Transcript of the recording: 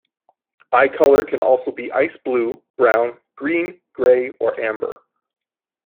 Eye color can also be ice blue, brown, green, gray, or amber.